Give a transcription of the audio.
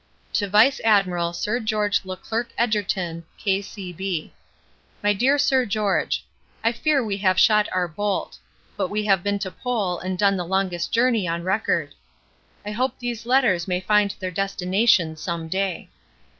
TO VICE ADMIRAL SIR GEORGE LE CLEARC EGERTON. K.C.B. MY DEAR SIR GEORGE, I fear we have shot our bolt but we have been to Pole and done the longest journey on record. I hope these letters may find their destination some day.